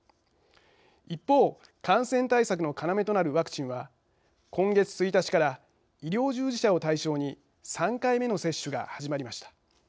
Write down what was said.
一方、感染対策の要となるワクチンは、今月１日から医療従事者を対象に３回目の接種が始まりました。